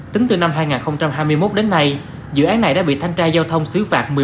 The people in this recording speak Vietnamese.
tính từ năm hai nghìn hai mươi một đến nay dự án này đã bị thanh tra giao thông xử phạt